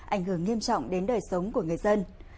ảnh hưởng nghiêm trọng đến đời sống của người dân